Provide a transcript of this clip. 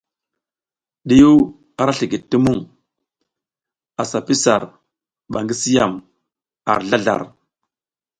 Ɗiyiw ara slikid ti muŋ, asa pi sar ba gi si yam ar zlazlar.